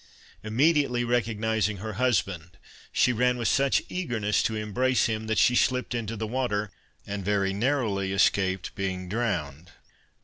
Immediately recognizing her husband, she ran with such eagerness to embrace him, that she slipped into the water, and very narrowly escaped being drowned.